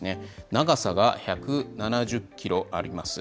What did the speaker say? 長さが１７０キロあります。